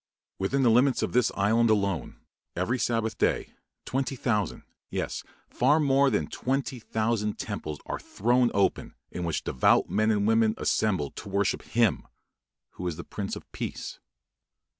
Within the limits of this island alone, every Sabbath day, twenty thousand, yes, far more than twenty thousand temples are thrown open, in which devout men and women assemble to worship Him who is the "Prince of Peace."